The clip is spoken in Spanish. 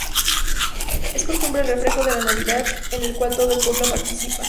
Es costumbre el festejo de la navidad en el cual todo el pueblo participa.